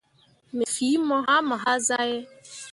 Me fii mo hãã mo hazahe.